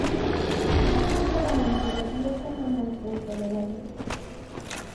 La pista se mantuvo diez semanas dentro de la lista.